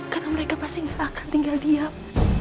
karena mereka pasti gak akan tinggal diam